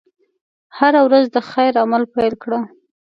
هره ورځ د خیر عمل پيل کړه.